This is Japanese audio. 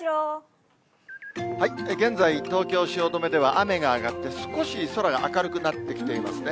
現在、東京・汐留では雨が上がって少し空が明るくなってきていますね。